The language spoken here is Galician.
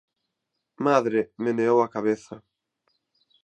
Madre meneou a cabeza.